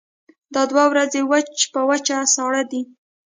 دا دوه ورځې وچ په وچه ساړه دي.